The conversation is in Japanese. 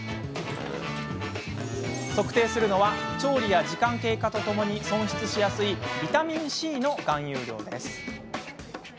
測定するのは、調理や時間経過とともに損失しやすいビタミンＣの含有量です。